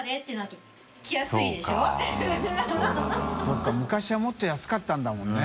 修Δ昔はもっと安かったんだもんね。